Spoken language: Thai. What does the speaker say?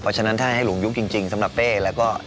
เพราะฉะนั้นถ้าให้หลวงยุคจริงสำหรับเป้แล้วก็